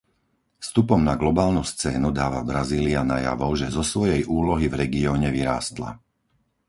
Vstupom na globálnu scénu dáva Brazília najavo, že zo svojej úlohy v regióne vyrástla.